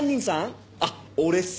あっ俺っす。